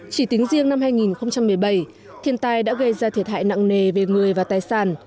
chỉ tính riêng năm hai nghìn một mươi bảy thiên tai đã gây ra thiệt hại nặng nề về người và tài sản